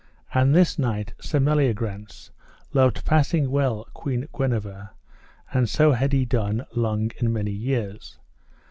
And this knight, Sir Meliagrance, loved passing well Queen Guenever, and so had he done long and many years.